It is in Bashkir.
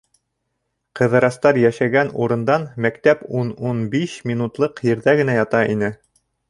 Ҡыҙырастар йәшәгән урындан мәктәп ун-ун биш минутлыҡ ерҙә генә ята ине.